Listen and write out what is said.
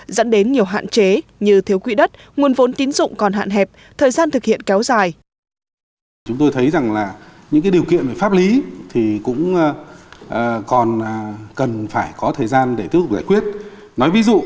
dẫn đến nhiều hạn chế như thiếu quỹ đất nguồn vốn tín dụng còn hạn hẹp thời gian thực hiện kéo dài